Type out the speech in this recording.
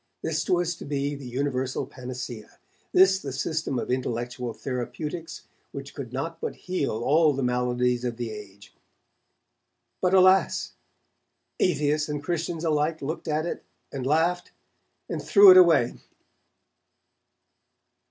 This was to be the universal panacea; this the system of intellectual therapeutics which could not but heal all the maladies of the age. But, alas! atheists and Christians alike looked at it, and laughed, and threw it away.